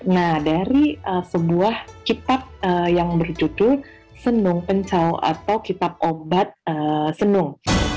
nah dari sebuah kitab yang berjudul senung pencau atau kitab obat senung